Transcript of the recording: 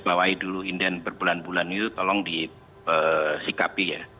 kalau kita membawa dulu inden berbulan bulan itu tolong disikapi ya